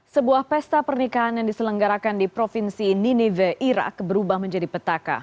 sebuah pesta pernikahan yang diselenggarakan di provinsi nineve irak berubah menjadi petaka